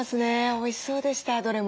おいしそうでしたどれも。